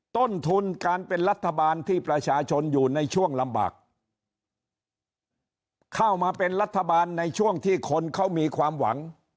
ต้นทุนการเป็นรัฐบาลที่ประชาชนอยู่ในช่วงลำบากเข้ามาเป็นรัฐบาลในช่วงที่คนเขามีความหวัง